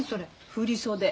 振り袖。